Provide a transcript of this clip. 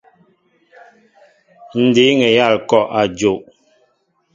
Ǹ dǐŋ eyâl ŋ̀kɔ' a jow.